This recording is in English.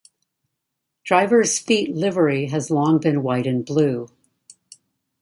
Driver's fleet livery has long been white and blue.